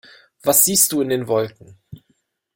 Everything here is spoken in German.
Was siehst du in den Wolken?